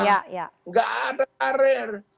tidak ada karir